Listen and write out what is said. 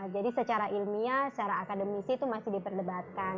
jadi secara ilmiah secara akademisi itu masih diperdebatkan